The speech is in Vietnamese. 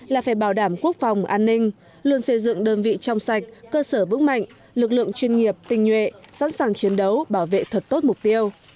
là phải bảo đảm quốc phòng an ninh luôn xây dựng đơn vị trong sạch cơ sở vững mạnh lực lượng chuyên nghiệp tinh nhuệ sẵn sàng chiến đấu bảo vệ thật tốt mục tiêu